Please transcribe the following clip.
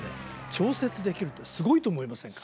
調節できるってすごいと思いませんか？